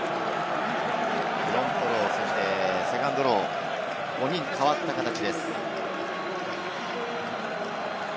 フロントロー、セカンドロー、５人代わった形です。